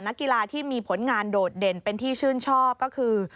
นักกีฬาที่มีผลงานโดดเด่นเป็นที่ชื่นชอบก็คือ